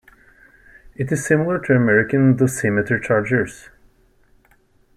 It is similar to American dosimeter chargers.